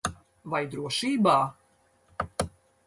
Vai drošībā?